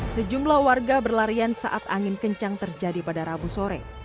sejumlah warga berlarian saat angin kencang terjadi pada rabu sore